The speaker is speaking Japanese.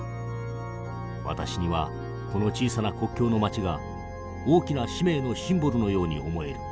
私にはこの小さな国境の町が大きな使命のシンボルのように思える。